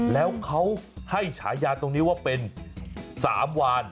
แล้วเขาให้ฉายาตรงนี้ว่าเป็นสามวาน